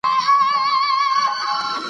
ای ایل ایچ په مشهورو ډیټابیسونو کې شامل دی.